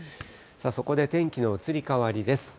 そこで天気の移り変わりです。